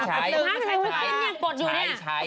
ใช้ใช้